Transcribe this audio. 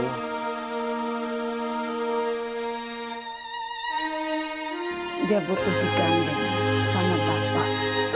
dia butuh diganteng sama bapak